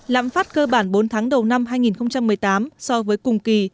lạm phát cơ bản bốn tháng đầu năm hai nghìn một mươi tám so với cùng kỳ ở mức một ba mươi bốn